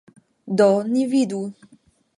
Do ni vidu.